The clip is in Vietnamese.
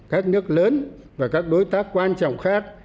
các nước lớn và các đối tác quan trọng khác